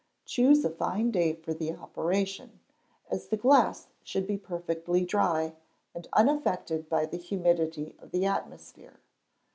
Choose a fine day for the operation, as the glass should be perfectly dry, and unaffected by the humidity of the atmosphere.